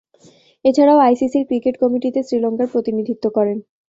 এছাড়াও আইসিসি’র ক্রিকেট কমিটিতে শ্রীলঙ্কার প্রতিনিধিত্ব করেন।